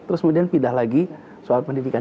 terus kemudian pindah lagi soal pendidikan